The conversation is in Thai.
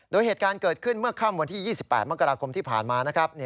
โดยเหตุการณ์เกิดขึ้นเมื่อค่ำวันที่๒๘มกราคมที่ผ่านมานะครับ